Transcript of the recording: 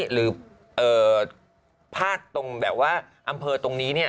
หรือภาคตรงแบบว่าอำเภอตรงนี้เนี่ย